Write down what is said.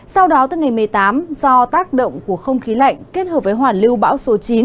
sau đó từ ngày một mươi tám do tác động của không khí lạnh kết hợp với hoàn lưu bão số chín